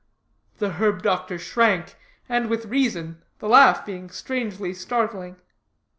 The herb doctor shrank, and with reason, the laugh being strangely startling.